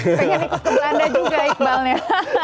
pengen ikut ke belanda juga iqbalnya